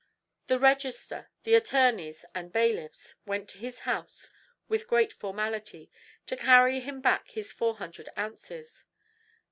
The register, the attorneys, and bailiffs went to his house with great formality, to carry him back his four hundred ounces.